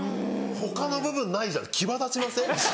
他の部分ないんじゃ際立ちません？